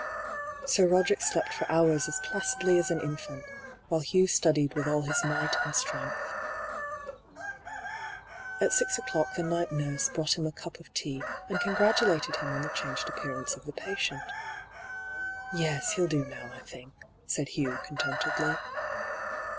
Sir Roderick slept for hours as placidly as an infant, while Hugh studied with all his might and strength. At six o'clock the night nurse brought him a cup of FATE. 9 tea, and congratulated him on the changed appearance of the patient. " Yes ; he'll do now, I think," said Hugh, content edly.